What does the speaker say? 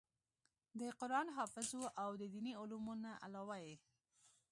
د قران حافظ وو او د ديني علومو نه علاوه ئې